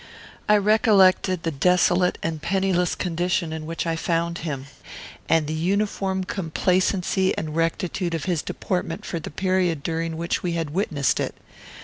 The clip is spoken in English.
I recollected the desolate and penniless condition in which I found him, and the uniform complacency and rectitude of his deportment for the period during which we had witnessed it.